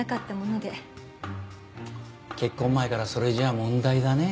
結婚前からそれじゃ問題だね。